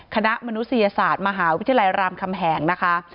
มนุษยศาสตร์มหาวิทยาลัยรามคำแหงนะคะ